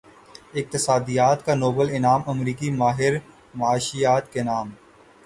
اقتصادیات کا نوبل انعام امریکی ماہر معاشیات کے نام